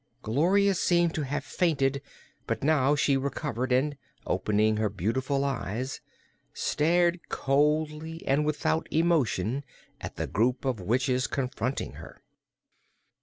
Gloria seemed to have fainted, but now she recovered and, opening her beautiful eyes, stared coldly and without emotion at the group of witches confronting her.